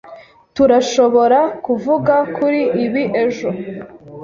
Turashobora kuvuga kuri ibi ejo?